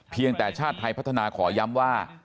เพียงแต่ชาติไทยพัฒนาขอย้ำว่า